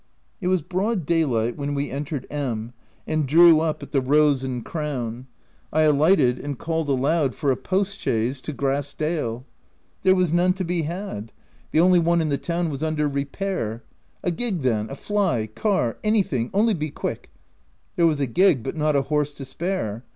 It was broad daylight when we entered M — and drew up at the Rose and Crown. I alighted and called aloud for a post chaise to Grass dale. OF WILDFELL HALL. 285 There was none to be had : the only one in the town was under repair. €i A gig then — a fly — car — anything — only be quick !" There was a gig but not a horse to spare.